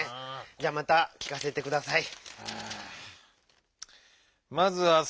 じゃまたきかせてください。